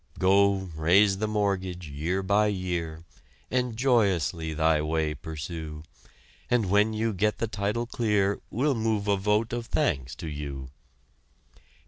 Go, raise the mortgage, year by year, And joyously thy way pursue, And when you get the title clear, We'll move a vote of thanks to you!